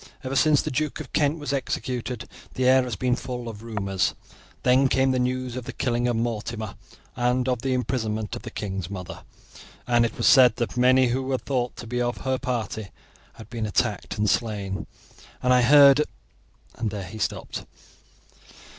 Ever since the Duke of Kent was executed the air has been full of rumours. Then came news of the killing of Mortimer and of the imprisonment of the king's mother, and it was said that many who were thought to be of her party had been attacked and slain, and I heard " and there he stopped.